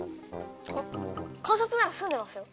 あ観察なら済んでますよ。